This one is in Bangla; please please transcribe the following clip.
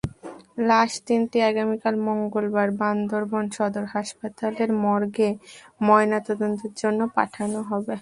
লাশ তিনটি আগামীকাল মঙ্গলবার বান্দরবান সদর হাসপাতালের মর্গে ময়নাতদন্তের জন্য পাঠানো হবে।